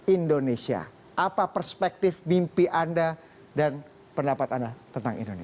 indonesia apa perspektif mimpi anda dan pendapat anda tentang indonesia